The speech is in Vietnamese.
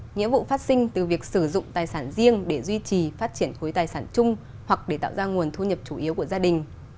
nghĩa vụ phát sinh từ việc sử dụng tài sản riêng để duy trì phát triển khối tài sản chung hoặc để tạo ra nguồn thu nhập chủ yếu của gia đình